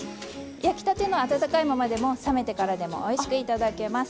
焼きたての温かいままでも冷めてからでもおいしく頂けます。